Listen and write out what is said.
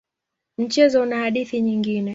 Mchezo una hadithi nyingine.